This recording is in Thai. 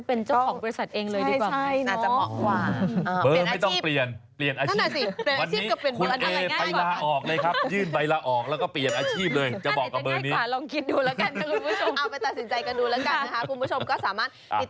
เอองั้นไปเปลี่ยนอาชีพไหมคะ